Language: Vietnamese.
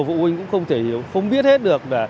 phụ huynh cũng không thể không biết hết được